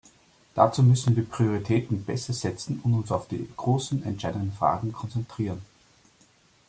Dazu müssen wir Prioritäten besser setzen und uns auf die großen, entscheidenden Fragen konzentrieren.